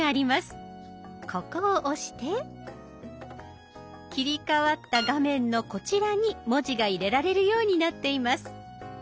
ここを押して切り替わった画面のこちらに文字が入れられるようになっています。